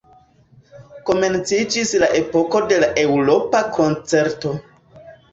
Komenciĝis la epoko de la Eŭropa Koncerto.